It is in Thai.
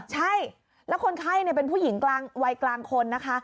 ใช่แล้วคนไข้เป็นผู้หญิงวัยกลางคนนะคะ